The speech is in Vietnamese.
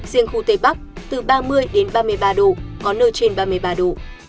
riêng khu tây bắc từ ba mươi đến ba mươi ba độ có nơi trên ba mươi ba độ